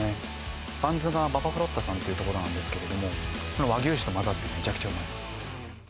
バンズが馬場ＦＬＡＴさんというところなんですけれども和牛脂とまざってめちゃくちゃうまいです